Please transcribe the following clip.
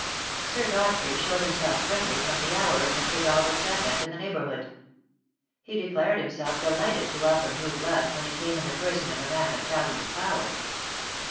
Sir Godfrey showed himself friendly from the hour of Mr. Dalbrook's advent in the neighbourhood. He declared himself delighted to welcome new blood when it came in the person of a man of talent and power.